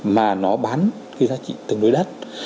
mà nó bán cái giá trị tương đối đắt